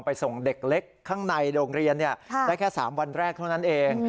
ส่งเด็กเล็กข้างในโรงเรียนได้แค่๓วันแรกเท่านั้นเอง